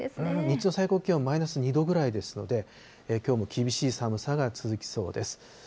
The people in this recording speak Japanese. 日中の最高気温、マイナス２度ぐらいですので、きょうも厳しい寒さが続きそうです。